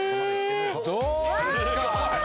どうですかうわ